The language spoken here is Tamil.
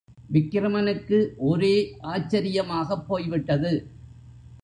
விக்கிரமனுக்கு ஒரே ஆச்சரியமாகப் போய்விட்டது.